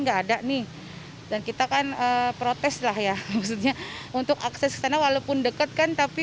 nggak ada nih dan kita kan protes lah ya maksudnya untuk akses ke sana walaupun dekat kan tapi